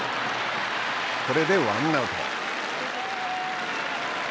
これでワンアウト。